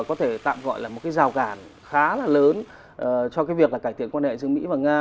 có thể tạm gọi là một cái rào cản khá là lớn cho cái việc là cải thiện quan hệ giữa mỹ và nga